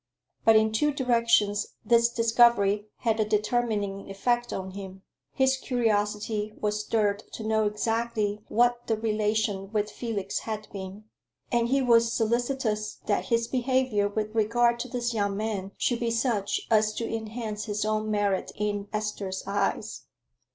But in two directions this discovery had a determining effect on him; his curiosity was stirred to know exactly what the relation with Felix had been, and he was solicitous that his behavior with regard to this young man should be such as to enhance his own merit in Esther's eyes.